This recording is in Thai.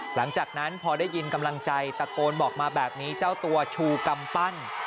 หลังจากนั้นพอได้ยินกำลังใจตะโกนบอกมาแบบนี้เจ้าตัวชูกำปั้น